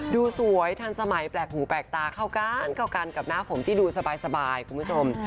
ดูสวยทันสมัยแปลกหูแปลกตาเข้ากันเข้ากันกับหน้าผมที่ดูสบายคุณผู้ชม